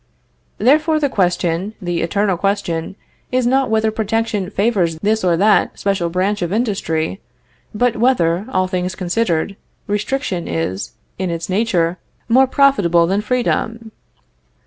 Therefore the question, the eternal question, is not whether protection favors this or that special branch of industry, but whether, all things considered, restriction is, in its nature, more profitable than freedom?